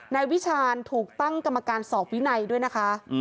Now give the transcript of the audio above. นายวิชาณถูกตั้งกรรมการสอบวินัยด้วยนะคะ